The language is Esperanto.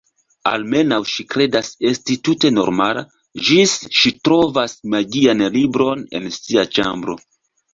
Almenaŭ ŝi kredas esti tute normala, ĝis ŝi trovas magian libron en sia ĉambro.